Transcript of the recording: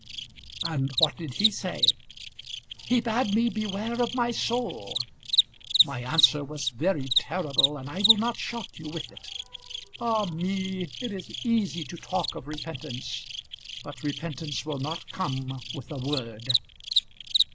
"And what did he say?" "He bade me beware of my soul. My answer was very terrible, and I will not shock you with it. Ah me! it is easy to talk of repentance, but repentance will not come with a word."